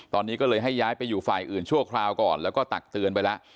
ตอนนี้ก็เลยให้ย้ายไปอยู่ฝ่ายอื่นชั่วคราวก่อนแล้วก็ตักเตือนไปแล้ว